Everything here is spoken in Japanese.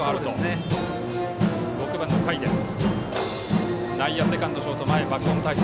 ６番の田井です。